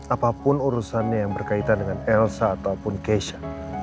apapun urusannya yang berkaitan dengan elsa ataupun keisha